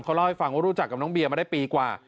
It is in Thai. เขาเล่าให้ฟังว่ารู้จักกับน้องเบียมาได้ปีกว่า